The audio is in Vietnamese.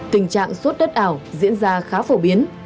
tình trạng sốt đất ảo diễn ra khá phổ biến